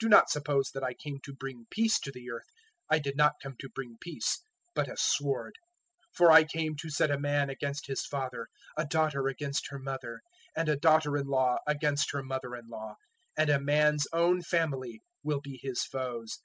010:034 "Do not suppose that I came to bring peace to the earth: I did not come to bring peace but a sword. 010:035 For I came to set a man against his father, a daughter against her mother, and a daughter in law against her mother in law; 010:036 and a man's own family will be his foes.